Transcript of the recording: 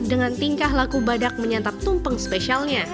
dengan tingkah laku badak menyantap tumpeng spesialnya